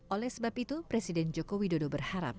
oleh sebab itu presiden joko widodo berharap